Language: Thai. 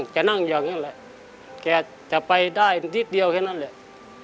นั่งอยู่อย่างนี้แหละแกจะไปได้นิดเดียวแค่นั้นแหละ